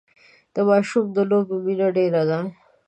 د ماشومان د لوبو مینه ډېره ده.